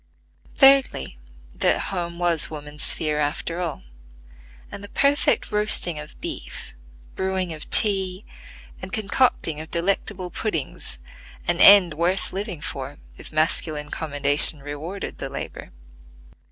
Thirdly, that home was woman's sphere after all, and the perfect roasting of beef, brewing of tea, and concocting of delectable puddings, an end worth living for if masculine commendation rewarded the labor.